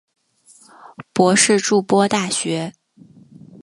博士筑波大学。